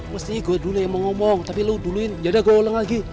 pasti gue dulunya yang mau ngomong tapi lu duluin yaudah gue oleng lagi